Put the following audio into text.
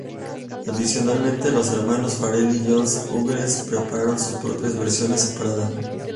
Adicionalmente, los hermanos Farrelly y John Hughes prepararon sus propias versiones separadas.